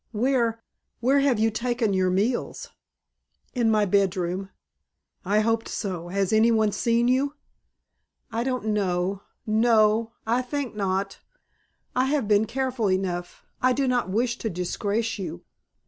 Where where have you taken your meals?" "In my bedroom." "I hoped so. Has any one seen you?" "I don't know no. I think not. I have been careful enough. I do not wish to disgrace you."